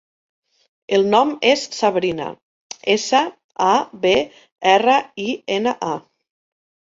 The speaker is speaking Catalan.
El nom és Sabrina: essa, a, be, erra, i, ena, a.